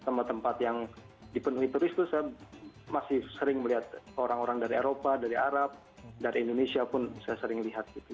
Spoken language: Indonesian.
tempat tempat yang dipenuhi turis itu saya masih sering melihat orang orang dari eropa dari arab dari indonesia pun saya sering lihat gitu